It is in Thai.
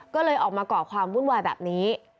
ก็เลยออกมาก่อความวุ่นวายแบบนี้